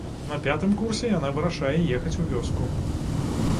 На пятым курсе яна вырашае ехаць у вёску.